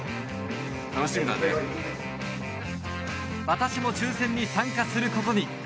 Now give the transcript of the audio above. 私も抽選に参加することに！